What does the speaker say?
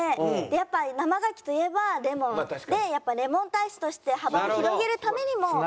やっぱ生牡蠣といえばレモンでレモン大使として幅を広げるためにも。